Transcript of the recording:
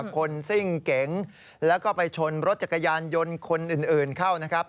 ซิ่งเก๋งแล้วก็ไปชนรถจักรยานยนต์คนอื่นเข้านะครับ